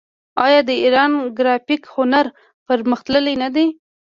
آیا د ایران ګرافیک هنر پرمختللی نه دی؟